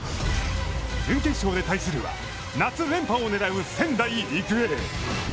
準決勝で対するは夏連覇を狙う仙台育英。